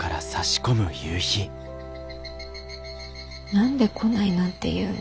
何で「来ない」なんて言うの？